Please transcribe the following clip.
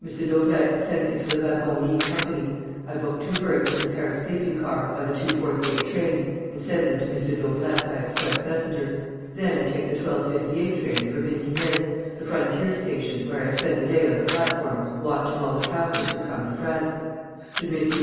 Daubrecq sends me to the Wagon Lits Co. I book two berths in the Paris sleeping car, by the 2.48 train, and send them to M. Daubrecq by express messenger. Then I take the 12.58 train for Vintimille, the frontier station, where I spend the day on the platform watching all the travellers who come to France. Should Messrs.